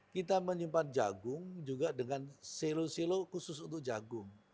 kita menyimpan jagung juga dengan silo silo khusus untuk jagung